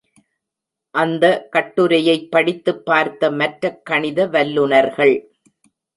அந்த கட்டுரையைப் படித்துப் பார்த்த மற்றக் கணித வல்லுநர்கள்.